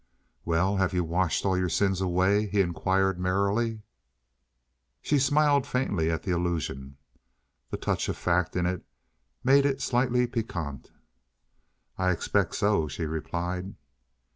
"Well, have you washed all your sins away?" he inquired merrily. She smiled faintly at the allusion. The touch of fact in it made it slightly piquant. "I expect so," she replied.